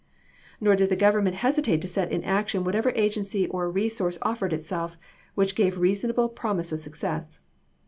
Nor did the Government hesitate to set in action whatever agency or resource offered itself, which gave reasonable promise of success.